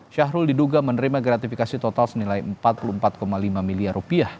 syahrul diduga menerima gratifikasi total senilai empat puluh empat lima miliar rupiah